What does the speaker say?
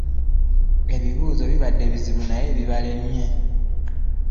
Ebibuuzo bibadde bizibu naye obyebalamye.